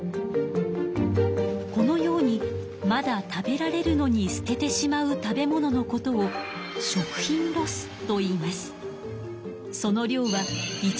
このようにまだ食べられるのに捨ててしまう食べ物のことを「食品ロス」といいます。